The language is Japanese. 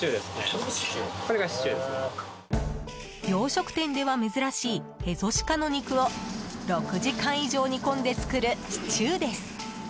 洋食店では珍しいエゾシカの肉を６時間以上煮込んで作るシチューです。